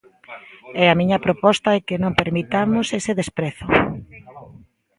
E a miña proposta é que non permitamos ese desprezo.